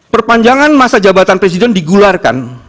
perpanjangan masa jabatan presiden digularkan